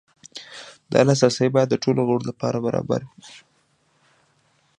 دا لاسرسی باید د ټولو غړو لپاره برابر وي.